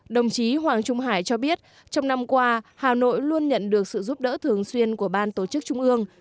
đồng chí hoàng trung hải cho biết trong năm qua hà nội luôn nhận được sự giúp đỡ thường xuyên của ban tổ chức trung ương